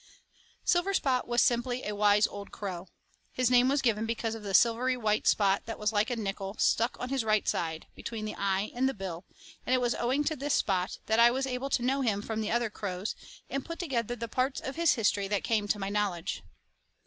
Silverspot was simply a wise old crow; his name was given because of the silvery white spot that was like a nickel, stuck on his right side, between the eye and the bill, and it was owing to this spot that I was able to know him from the other crows, and put together the parts of his history that came to my knowledge.